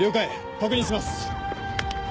確認します。